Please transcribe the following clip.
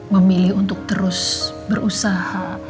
memilih untuk terus berusaha